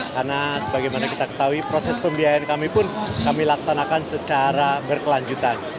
karena sebagaimana kita ketahui proses pembiayaan kami pun kami laksanakan secara berkelanjutan